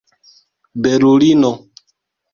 belulino